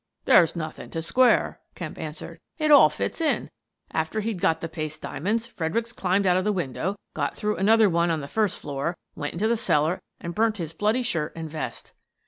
"There's nothing to square," Kemp answered. " It all fits in. After he'd got the paste diamonds, Fredericks climbed out of the window, got through another one on the first floor, and went into the cellar and burnt his bloody shirt and vest."